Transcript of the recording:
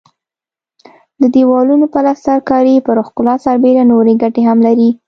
د دېوالونو پلستر کاري پر ښکلا سربېره نورې ګټې هم لري.